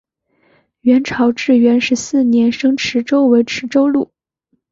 元朝至元十四年升池州为池州路。